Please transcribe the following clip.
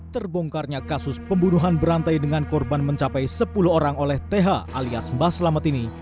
terbongkarnya kasus pembunuhan berantai dengan korban mencapai sepuluh orang oleh th alias mbah selamet ini